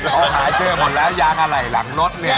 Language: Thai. เขาหาเจอหมดแล้วยางอะไหล่หลังรถเนี่ย